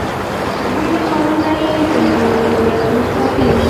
ځیني ښارونه یې د نورو دولتونو تابع و.